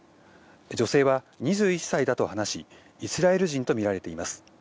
女性は２１歳だと話しイスラエル人とみられています。